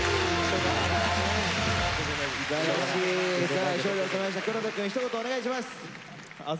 さあ勝利を収めました黒田くんひと言お願いします。